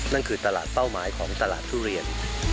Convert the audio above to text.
นั่นคือตลาดเป้าหมายของตลาดทุเรียน